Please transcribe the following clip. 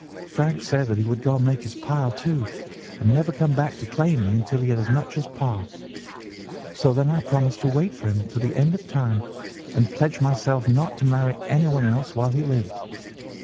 Frank said that he would go and make his pile, too, and never come back to claim me until he had as much as Pa. So then I promised to wait for him to the end of time and pledged myself not to marry anyone else while he lived.